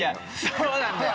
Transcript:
そうなんだよ！